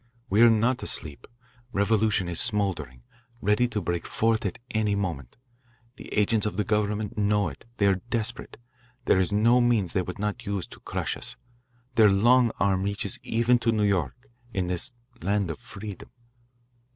We are not asleep. Revolution is smouldering, ready to break forth at any moment. The agents of the government know it. They are desperate. There is no means they would not use to crush us. Their long arm reaches even to New York, in this land of freedom."